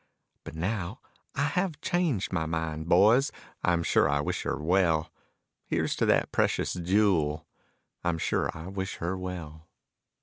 But now I have changed my mind, boys, I am sure I wish her well. Here's to that precious jewel, I'm sure I wish her well.